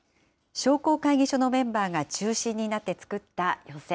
商工会議所のメンバーが中心になって作った寄席。